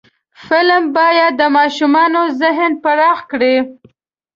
فلم باید د ماشومانو ذهن پراخ کړي